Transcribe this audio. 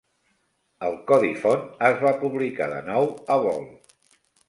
El codi font es va publicar de nou a Vol.